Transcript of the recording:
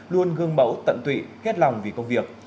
luôn gương mẫu tận tụy hết lòng vì công việc